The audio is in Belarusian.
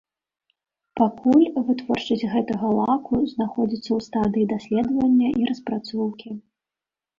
Пакуль вытворчасць гэтага лаку знаходзіцца ў стадыі даследавання і распрацоўкі.